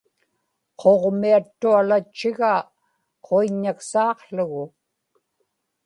quġmiattualatchigaa quiññaksaaqługu